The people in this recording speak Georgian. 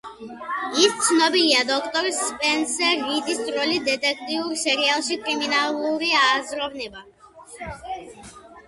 ის ცნობილია დოქტორ სპენსერ რიდის როლით დეტექტიურ სერიალში „კრიმინალური აზროვნება“.